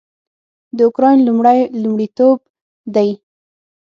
د اوکراین لومړی لومړیتوب دی